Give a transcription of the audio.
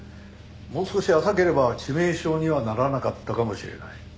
もう少し浅ければ致命傷にはならなかったかもしれない。